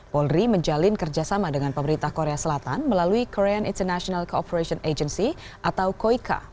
polri menjalin kerjasama dengan pemerintah korea selatan melalui korean international cooperation agency atau koika